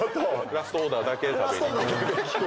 ラストオーダーだけ食べに来る。